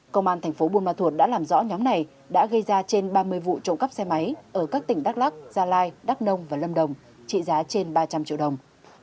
công an thành phố buôn ma thuột đã làm rõ nhóm này đã gây ra trên ba mươi vụ trộm cắp xe máy ở các tỉnh đắk lắc gia lai đắk nông và lâm đồng trị giá trên ba trăm linh triệu đồng